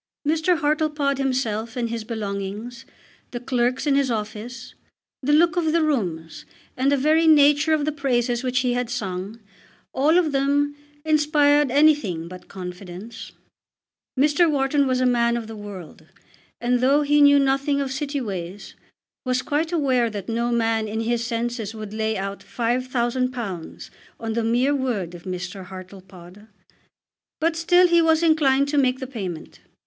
Mr. Hartlepod himself and his belongings, the clerks in his office, the look of the rooms, and the very nature of the praises which he had sung, all of them inspired anything but confidence. Mr. Wharton was a man of the world; and, though he knew nothing of City ways, was quite aware that no man in his senses would lay out £5000 on the mere word of Mr. Hartlepod. But still he was inclined to make the payment.